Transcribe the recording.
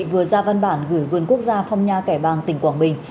vừa ra văn bản gửi vườn quốc gia phong nha kẻ bàng tỉnh quảng bình